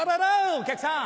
お客さん